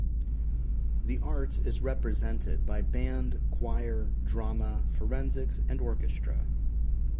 The arts is represented by Band, Choir, Drama, Forensics and Orchestra.